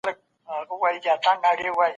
يو سړی په کمپيوټر کي کار کوي.